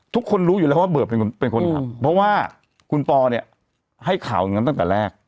ทุกคนรู้อยู่แล้วว่าเบิร์ดเป็นคนขับเพราะว่าคุณปอเนี่ยให้ข่าวอย่างนั้นตั้งแต่แรก